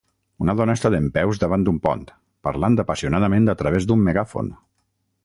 Una dona està dempeus davant d'un pont, parlant apassionadament a través d'un megàfon.